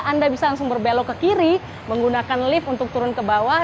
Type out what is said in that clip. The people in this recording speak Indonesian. anda bisa langsung berbelok ke kiri menggunakan lift untuk turun ke bawah